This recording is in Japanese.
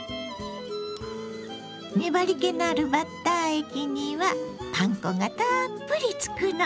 粘りけのあるバッター液にはパン粉がたっぷりつくの。